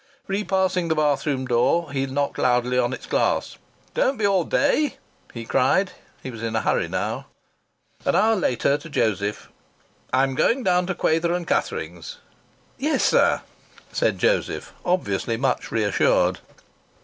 Repassing the bathroom door he knocked loudly on its glass. "Don't be all day!" he cried. He was in a hurry now. An hour later he said to Joseph: "I'm going down to Quayther & Cuthering's." "Yes, sir," said Joseph, obviously much reassured.